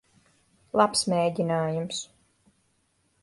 Labs mēģinājums.